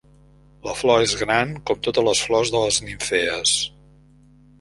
La flor és gran com totes les flors de les nimfees.